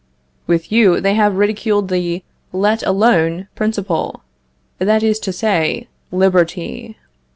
With you they have ridiculed the let alone principle, that is to say, liberty.